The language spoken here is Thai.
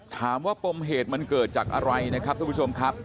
ถามว่าปมเหตุมันเกิดจากอะไรนะครับทุกผู้ชมครับ